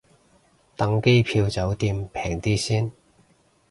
等機票酒店平啲先